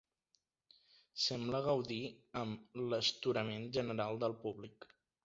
Sembla gaudir amb l'astorament general del públic.